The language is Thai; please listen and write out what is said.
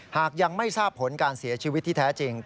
หากยังไม่ทราบผลการเสียชีวิตที่แท้จริง